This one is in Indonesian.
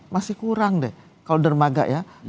masih kurang deh kalau dermaga ya